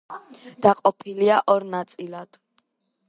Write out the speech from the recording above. დაყოფილია ორ ნაწილად.